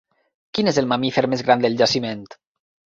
Quin és el mamífer més gran del jaciment?